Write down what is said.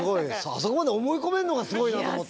あそこまで思い込めるのがすごいなと思った。